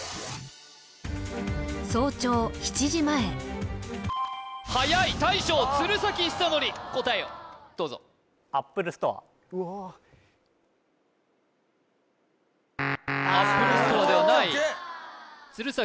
早朝７時前早い大将鶴崎修功答えをどうぞおおっアップルストアではない鶴崎